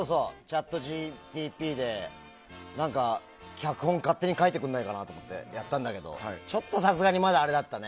チャットＧＴＰで脚本勝手に書いてくれないかなと思ってやったんだけどちょっと、さすがにまだあれだったね。